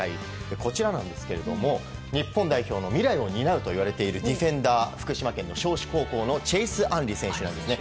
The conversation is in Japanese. こちらなんですが日本代表の未来を担うといわれているディフェンダー福島県の尚志高校のチェイス・アンリ選手なんですね。